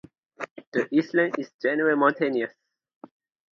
The island is in general mountainous.